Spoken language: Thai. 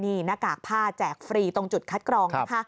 นี่หน้ากากผ้าแจกฟรีตรงจุดคัดกรองนะคะ